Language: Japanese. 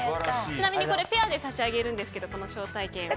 ちなみにこれ、ペアで差し上げるんですけどこの招待券は。